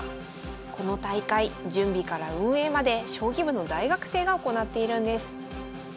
この大会準備から運営まで将棋部の大学生が行っているんです。